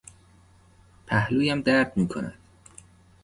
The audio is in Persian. پهلویم درد میکند.